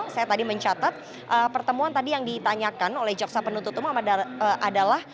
saya tadi mencatat pertemuan tadi yang ditanyakan oleh jaksa penuntut umum adalah